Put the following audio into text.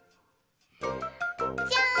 じゃん！